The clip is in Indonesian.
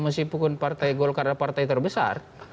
mesti pun partai golkar adalah partai terbesar